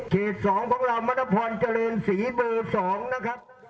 เขต๒ของเรามณพรเจริญศรีบ๒นะครับ